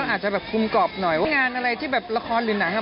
อาจจะแบบคุมกรอบหน่อยว่างานอะไรที่แบบละครหรือหนังอ่ะ